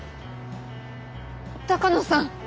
鷹野さん